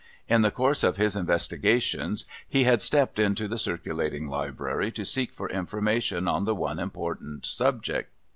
In the course of his investigations he had stepped into the Circulating Library, to seek for information on the one impor tant subject.